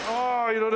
色々。